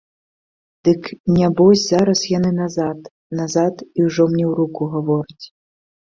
Дык нябось зараз яны назад, назад і ўжо мне ў руку гавораць.